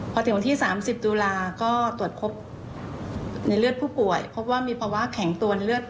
พอถึงวันที่๓๐ตุลาก็ตรวจพบในเลือดผู้ป่วยพบว่ามีภาวะแข็งตัวในเลือด